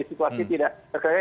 situasi tidak terkenal